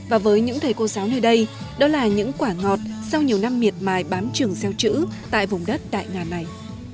và với những thầy cô giáo nơi đây đó là những quả ngọt sau nhiều năm miệt mài bám trường gieo chữ tại vùng đất đại ngàn này